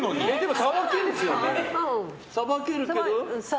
さばけるけど？